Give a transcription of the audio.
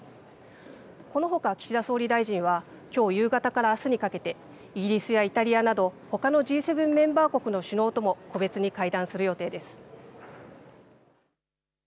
このほか岸田総理大臣はきょう夕方からあすにかけてイギリスやイタリアなどほかのＧ７メンバー国の首脳とも個別に会談する予定です。